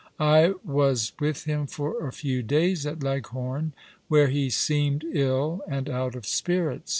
I was with him for a few days at Leghorn, where he seemed ill and out of spirits.